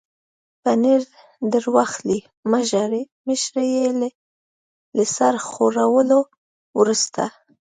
پنیر در واخلئ، مه ژاړئ، مشرې یې له سر ښورولو وروسته.